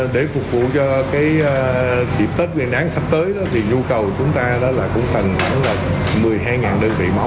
để phục vụ cho dịp tết nguyên đáng sắp tới thì nhu cầu của chúng ta cũng thành khoảng một mươi hai đơn vị máu